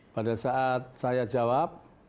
pada saat saya jawab